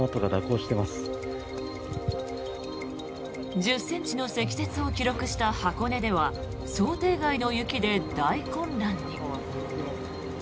１０ｃｍの積雪を記録した箱根では想定外の雪で大混乱に。